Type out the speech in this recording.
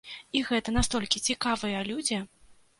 І гэта настолькі цікавыя людзі!